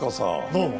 どうも。